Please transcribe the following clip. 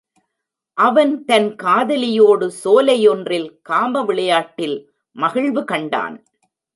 அவன் தன் காதலியோடு, சோலை ஒன்றில் காம விளையாட்டில் மகிழ்வு கண்டான்.